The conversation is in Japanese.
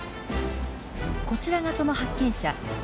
こちらがその発見者。